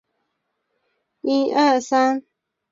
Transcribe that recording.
四川省开县汉丰镇西津坝人。